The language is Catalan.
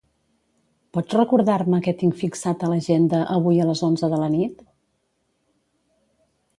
Pots recordar-me què tinc fixat a l'agenda avui a les onze de la nit?